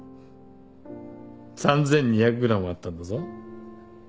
３，２００ｇあったんだぞ。